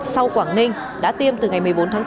sau quảng ninh đã tiêm từ ngày một mươi bốn tháng bốn